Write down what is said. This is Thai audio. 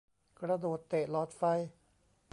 กระโดดเตะหลอดไฟ